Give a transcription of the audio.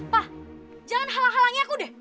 wah jangan halang halangi aku deh